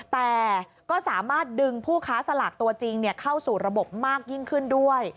แต่ก็สามารถดึงผู้ค้าสลากตัวจริงเข้าสู่ระบบมากยิ่งขึ้นด้วย